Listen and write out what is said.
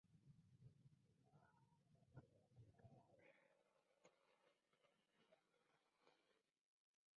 Era el comienzo del ambicioso plan del daimyō Toyotomi Hideyoshi de conquistar Asia.